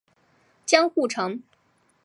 江户城。